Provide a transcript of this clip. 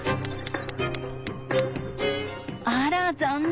あら残念。